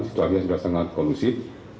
situasinya sudah sangat kondusif